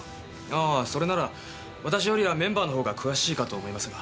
ああそれなら私よりはメンバーのほうが詳しいかと思いますが。